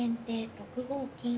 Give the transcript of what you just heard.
６五金と。